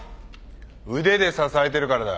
腕で支えてるからだ。